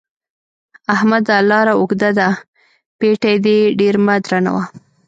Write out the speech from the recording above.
احمده! لاره اوږده ده؛ پېټی دې ډېر مه درنوه.